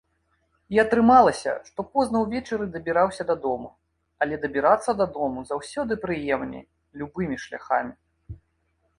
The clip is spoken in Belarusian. І атрымалася, што позна ўвечары дабіраўся дадому, але дабірацца дадому заўсёды прыемней, любымі шляхамі.